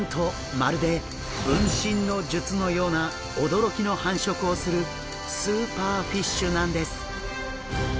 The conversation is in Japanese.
まるで分身の術のような驚きの繁殖をするスーパーフィッシュなんです！